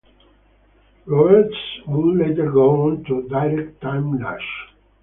Roberts would later go on to direct "Timelash".